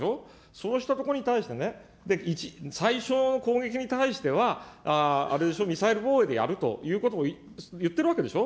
そうしたところに対してね、最初の攻撃に対しては、あれでしょ、ミサイル攻撃でやるということも言ってるわけでしょ。